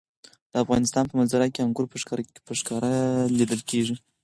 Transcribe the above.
د افغانستان په منظره کې انګور په ښکاره لیدل کېږي.